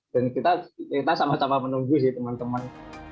dan kita sama sama menunggu sih teman teman